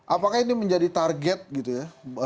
apakah ini menjadi target gitu ya